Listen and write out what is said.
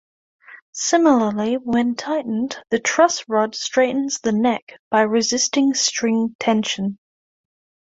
Similarly, when tightened the truss rod straightens the neck by resisting string tension.